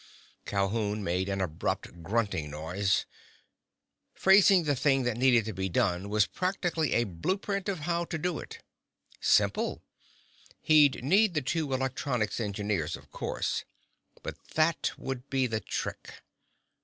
Calhoun made an abrupt grunting noise. Phrasing the thing that needed to be done was practically a blueprint of how to do it. Simple! He'd need the two electronics engineers, of course. But that would be the trick....